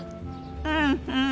うんうん！